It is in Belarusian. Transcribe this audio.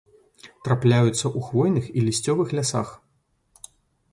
Трапляюцца ў хвойных і лісцевых лясах.